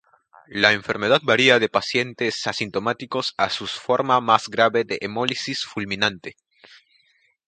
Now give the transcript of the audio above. La enfermedad varía de pacientes asintomáticos a sus forma más grave de hemólisis fulminante.